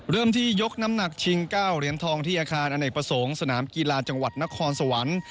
เริ่มที่ยกน้ำหนักชิง๙เหรียญทองที่อาคารอเนกประสงค์สนามกีฬาจังหวัดนครสวรรค์